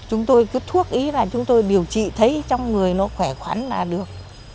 chúng tôi cứ thuốc ý là chúng tôi điều trị thấy trong người nó khỏe khoắn là được